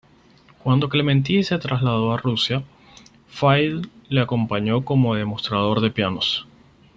Cuando Clementi se trasladó a Rusia, Field le acompañó como demostrador de pianos.